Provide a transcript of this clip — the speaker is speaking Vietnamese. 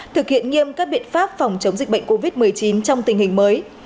thực hiện nghiêm các biện pháp phòng chống dịch bệnh covid một mươi chín trong tình hình mới